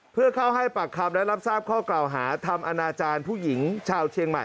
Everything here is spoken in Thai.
เพื่อเข้าให้ปากคำและรับทราบข้อกล่าวหาทำอนาจารย์ผู้หญิงชาวเชียงใหม่